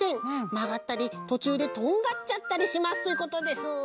まがったりとちゅうでとんがっちゃったりします」ということです。